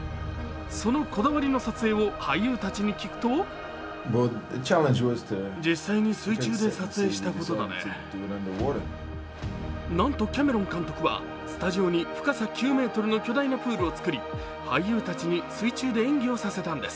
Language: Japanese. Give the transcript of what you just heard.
そのこだわりの撮影を俳優たちに聞くとなんとキャメロン監督はスタジオに深さ９ｍの巨大なプールを造り、俳優たちに水中で演技をさせたんです。